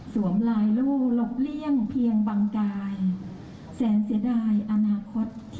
สวมลายลูกหลบเลี่ยงเพียงบางกายแสนเสียดายอนาคตที่เกินไป